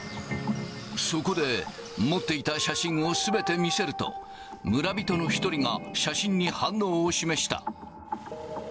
そこで、持っていた写真をすべて見せると、村人の一人が写真に反応を示した。